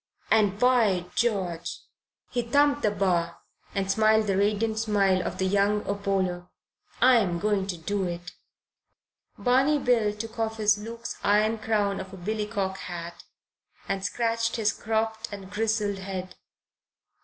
And by George!" he thumped the bar and smiled the radiant smile of the young Apollo "I'm going to do it." Barney Bill took off his Luke's iron crown of a billycock hat and scratched his cropped and grizzled head.